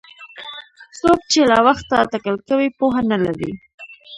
څوک چې له وخته اټکل کوي پوهه نه لري.